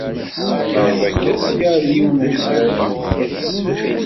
Ad naweḍ akka sya ar yiwen wesrag.